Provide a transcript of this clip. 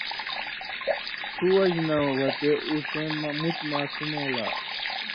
ݜُو وجہۡ نہ وتے اُو ݜېں مُت ماسمؤں لا